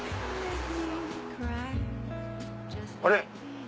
あれ⁉